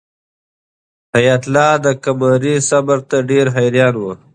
حیات الله د قمرۍ صبر ته ډېر حیران و.